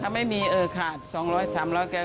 ถ้าไม่มีเออขาด๒๐๐๓๐๐แก่